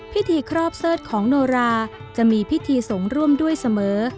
พิธีครอบเสิร์ชของโนราจะมีพิธีสงฆ์ร่วมด้วยเสมอ